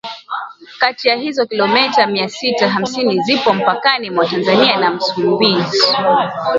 kati ya hizo kilometa mia sita hamsini zipo mpakani mwa Tanzania na Msumbiji